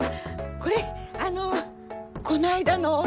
これあのこの間のお礼。